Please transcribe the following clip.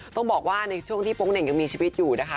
ต้องบอกว่าในช่วงที่โป๊งเหน่งยังมีชีวิตอยู่นะคะ